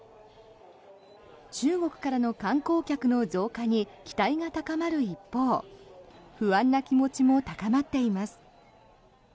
中国からの観光客の増加に期待が高まる一方不安な気持ちも高まっています。